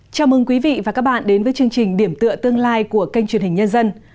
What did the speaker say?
chào mừng quý vị và các bạn đến với chương trình điểm tựa tương lai của kênh truyền hình nhân dân